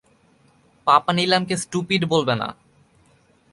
পাপা নিলামকে স্টুপিট বলবে না।